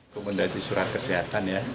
komendasi surat kesehatan ya